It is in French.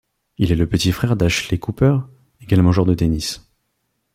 Il est le petit frère d'Ashley Cooper, également joueur de tennis.